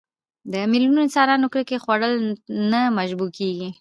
د میلیونونو انسانانو ککرې خوړل نه مشبوع کېږي.